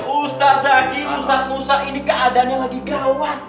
ustadz zanuyuy ustadz musa ini keadaannya lagi gawat